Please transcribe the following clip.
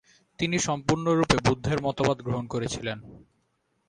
তিনি সম্পূর্ণরূপে বুদ্ধের মতবাদ গ্রহণ করেছিলেন।